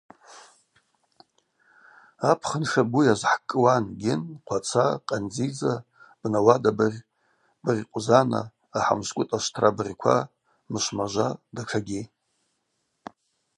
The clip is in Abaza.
Апхын шабгу йазхӏкӏкӏуан гьын, хъваца, къандзидза, бнауадабыгъь, быгъькъвзана, ахӏамшвкӏвытӏ ашвтра быгъьква, мышвмажва, датшагьи.